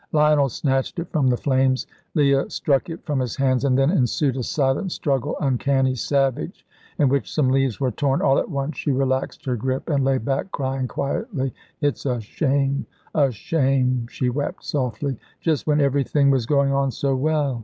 Lionel snatched it from the flames; Leah struck it from his hands; and then ensued a silent struggle, uncanny, savage, in which some leaves were torn. All at once she relaxed her grip and lay back crying quietly. "It's a shame, a shame!" she wept softly; "just when everything was going on so well.